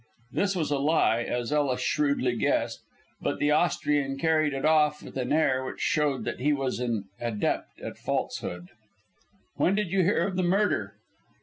This was a lie, as Ellis shrewdly guessed, but the Austrian carried it off with an air which showed that he was an adept at falsehood. "When did you hear of the murder?"